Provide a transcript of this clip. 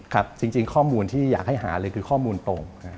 ครับจริงข้อมูลที่อยากให้หาเลยคือข้อมูลตรง